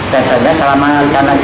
dan selanjutnya selama lisanan itu